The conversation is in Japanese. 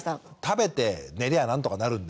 食べて寝りゃあ何とかなるんで。